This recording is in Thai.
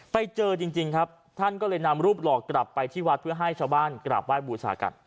ไปเจอจริงครับท่านก็เลยนำรูปหลอกกลับไปที่วัดเพื่อให้ชาวบ้านกราบไห้บูชากัน